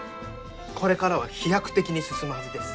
これからは飛躍的に進むはずです。